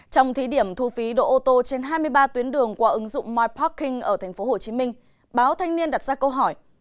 trong thí điểm thu phí đỗ ô tô trên hai mươi ba tuyến đường qua ứng dụng myparking ở tp hcm báo thanh niên đặt ra câu hỏi